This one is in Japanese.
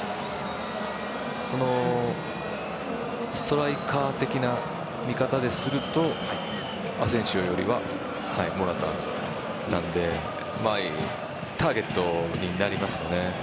ストライカー的な見方でするとアセンシオよりはモラタなんでターゲットになりますよね。